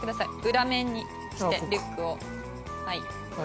裏面にしてリュックをでかける。